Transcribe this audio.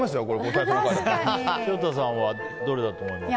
潮田さんはどれだと思いますか。